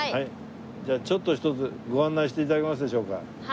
じゃあちょっとひとつご案内して頂けますでしょうか？